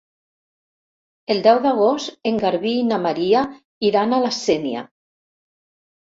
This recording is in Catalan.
El deu d'agost en Garbí i na Maria iran a la Sénia.